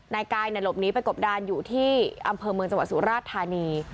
นายกายหลบหนีไปกบดานอยู่ที่อำเภอเมืองจังหวัดสุราชธานี